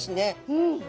うん。